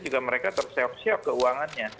juga mereka terseok siap keuangannya